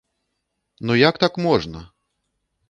Ну як так можна?